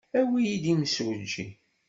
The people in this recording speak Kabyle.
Awi-iyi-d imsujji.